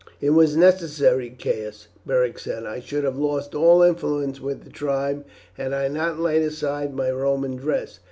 "It was necessary, Caius," Beric said. "I should have lost all influence with the tribe had I not laid aside my Roman dress.